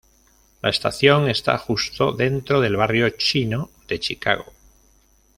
La estación está justo dentro del Barrio Chino de Chicago.